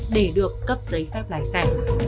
để được cấp giấy phép lái xe